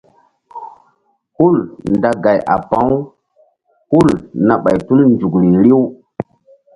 Hul nda gay a pa̧ u hul na ɓay tul nzukri riw.